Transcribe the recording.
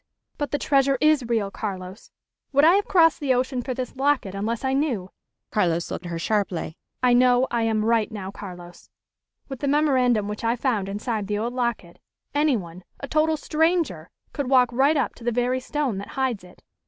"But the treasure is real, Carlos. Would I have crossed the ocean for this locket unless I knew?" Carlos looked at her sharply. "I know I am right, now, Carlos. With the memorandum which I found inside the old locket, anyone, a total stranger, could walk right up to the very stone that hides it."